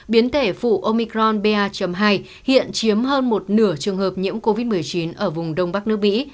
biến thể phụ omicron ba hai hiện chiếm hơn một nửa trường hợp nhiễm covid một mươi chín ở vùng đông bắc nước mỹ